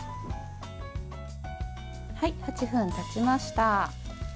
８分たちました。